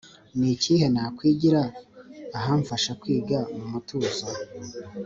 ni hehe nakwigira ahamfasha kwiga mu mutuzo?